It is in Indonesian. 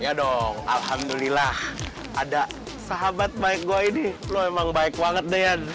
ya dong alhamdulillah ada sahabat baik gue ini lo emang baik banget dean